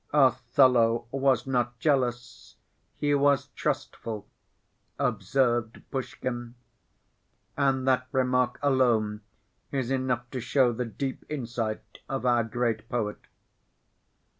"Othello was not jealous, he was trustful," observed Pushkin. And that remark alone is enough to show the deep insight of our great poet.